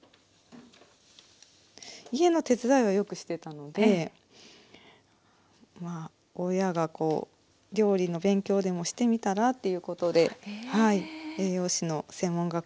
家の手伝いはよくしてたのでまあ親がこう料理の勉強でもしてみたらということで栄養士の専門学校に行きました。